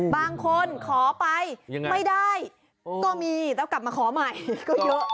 บางคนขอไปไม่ได้ก็มีแล้วกลับมาขอใหม่ก็เยอะ